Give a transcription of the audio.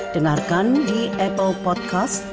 dengarkan di apple podcast